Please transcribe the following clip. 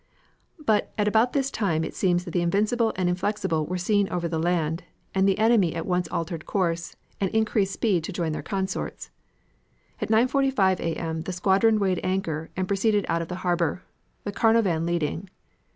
But at about this time it seems that the Invincible and Inflexible were seen over the land, and the enemy at once altered course, and increased speed to join their consorts. At 9.45 A. M. the squadron weighed anchor and proceeded out of the harbor, the Carnovan leading.